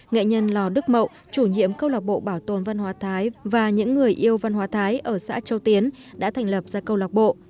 nghệ nhân lò đức mậu chủ nhiệm câu lạc bộ bảo tồn văn hóa thái và những người yêu văn hóa thái ở xã châu tiến đã thành lập ra câu lạc bộ